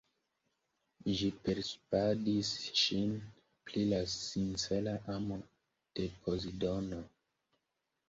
Ĝi persvadis ŝin pri la sincera amo de Pozidono.